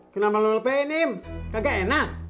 kenapa lo lepe nim kagak enak